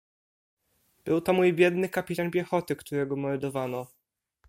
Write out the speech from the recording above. "Był to mój biedny kapitan piechoty, którego mordowano."